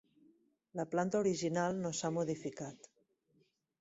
La planta original no s'ha modificat.